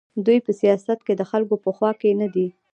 دوی په سیاست کې د خلکو په خوا کې نه دي.